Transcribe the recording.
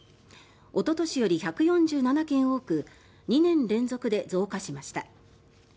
おととしより１４７件多く２年連続で増加しました。